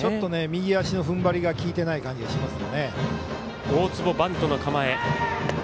右足の踏ん張りがきいていない感じがしますよね。